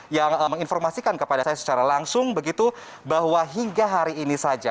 yang menginformasikan kepada saya secara langsung begitu bahwa hingga hari ini saja